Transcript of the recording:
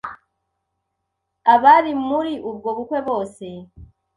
abari muri ubwo bukwe bose